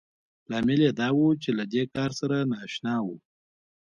لامل يې دا و چې له دې کار سره نااشنا وو.